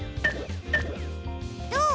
どう？